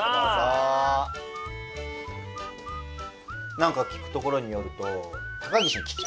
なんか聞くところによると何？